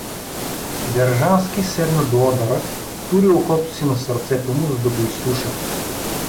Держански седна до одъра, тури ухото си на сърцето му, за да го изслуша.